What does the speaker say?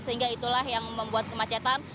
sehingga itulah yang membuat kemacetan